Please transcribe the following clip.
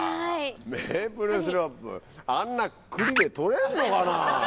メープルシロップあんなクリっで採れんのかなぁ？